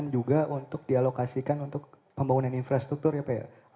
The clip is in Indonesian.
juga untuk dialokasikan untuk pembangunan infrastruktur ya pak ya